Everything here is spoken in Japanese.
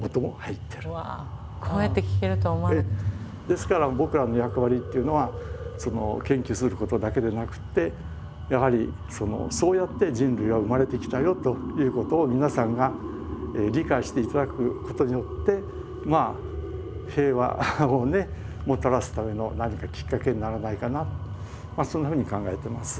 ですから僕らの役割っていうのは研究することだけでなくてやはりそうやって人類は生まれてきたよということを皆さんが理解していただくことによって平和をねもたらすための何かきっかけにならないかなとそんなふうに考えてます。